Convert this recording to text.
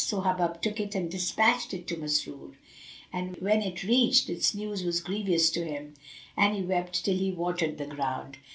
So Hubub took it and despatched it to Masrur, and when it reached, its news was grievous to him and he wept till he watered the ground.